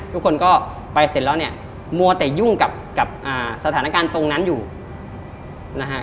ทุกคนก็ไปเสร็จแล้วเนี่ยมัวแต่ยุ่งกับสถานการณ์ตรงนั้นอยู่นะฮะ